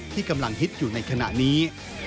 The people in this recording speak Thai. ที่กำลังฮิตอยู่ในขณะนี้